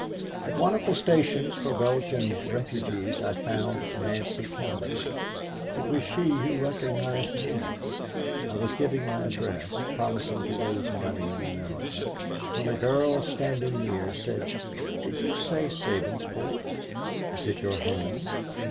"At one of the stations for Belgian refugees I found Nancy Cowder. It was she who recognized me. I was giving my address, promising to raise money in America, when a girl standing near said, 'Did you say Sabinsport? It is your home?